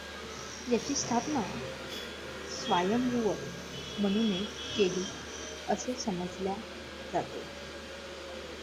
याची स्थापना स्वायंभुव मनुने केली असे समजल्या जाते.